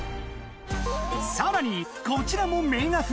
さらにこちらも名画風